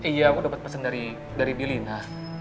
iya aku dapat pesan dari billina